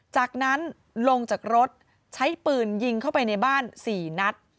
จากนั้นลงจากรถใช้ปืนยิงเข้าไปในบ้าน๔นัด